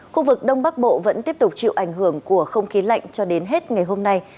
khu vực đông bắc bộ vẫn tiếp tục chịu ảnh hưởng của không khí lạnh cho đến hết ngày hôm nay